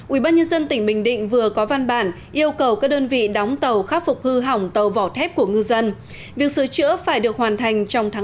ubnd tỉnh bình định vừa có văn bản yêu cầu các đơn vị đóng tàu khắc phục hư hỏng tàu vỏ thép của ngư dân